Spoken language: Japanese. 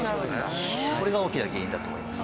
これが大きな原因だと思います。